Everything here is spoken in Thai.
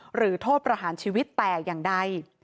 หรือโทษประหารชีวิตแต่อย่างใด